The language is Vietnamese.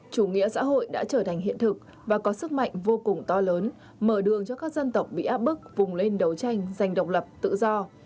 chủ nghĩa xã hội đã trở thành hiện thực và có sức mạnh vô cùng to lớn mở đường cho các dân tộc bị áp bức vùng lên đấu tranh giành độc lập tự do